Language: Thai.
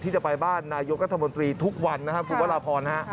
ที่จะไปบ้านนายกรัฐบนมิตรีทุกวันนะครับ